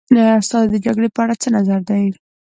ستاسې د جګړې په اړه څه نظر دی.